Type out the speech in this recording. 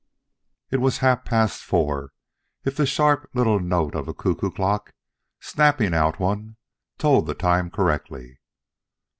It was half past four, if the sharp little note of a cuckoo clock, snapping out one, told the time correctly.